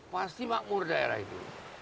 pasti makmur daerah itu